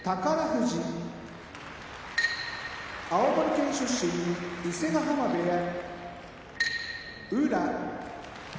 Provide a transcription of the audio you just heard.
富士青森県出身伊勢ヶ濱部屋宇良